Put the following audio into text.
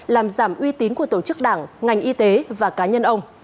làm giảm uy tín của tổ chức đảng ngành y tế và cá nhân ông